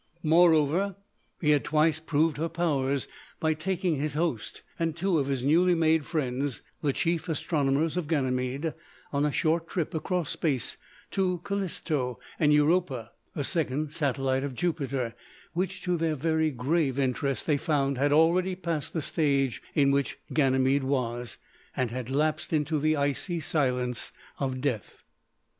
Moreover, he had twice proved her powers by taking his host and two of his newly made friends, the chief astronomers of Ganymede, on a short trip across Space to Calisto and Europa, the second satellite of Jupiter, which, to their very grave interest, they found had already passed the stage in which Ganymede was, and had lapsed into the icy silence of death.